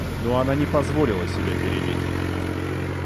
Но она не позволила себя перебить.